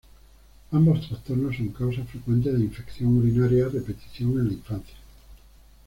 Ambos trastornos son causas frecuentes de infección urinaria a repetición en la infancia.